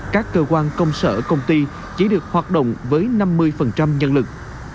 các cơ quan công sở công ty chỉ được hoạt động với năm mươi nhân lực